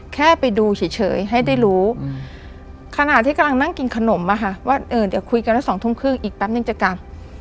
แค่ไปดูเฉยให้ได้รู้ขณะที่กำลังนั่งกินขนมอะค่ะว่าเดี๋ยวคุยกันแล้ว๒ทุ่มครึ่งอีกแป๊บนึงจะกลับ